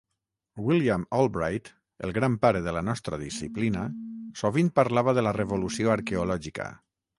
William Albright, el gran pare de la nostra disciplina, sovint parlava de la revolució arqueològica.